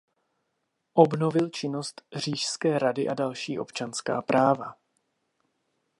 Obnovil činnost Říšské rady a další občanská práva.